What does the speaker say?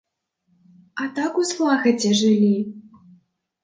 А так у злагадзе жылі.